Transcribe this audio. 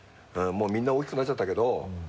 もうみんな大きくなっちゃったけど。